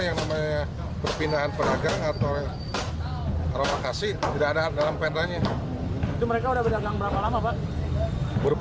yang namanya perpindahan pedagang atau makasih tidak ada dalam pendidik mereka